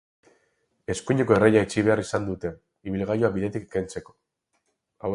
Eskuineko erreia itxi behar izan dute, ibilgailua bidetik kentzeko.